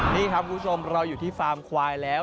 นี่ครับคุณผู้ชมเราอยู่ที่ฟาร์มควายแล้ว